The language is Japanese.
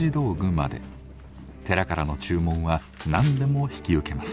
寺からの注文は何でも引き受けます。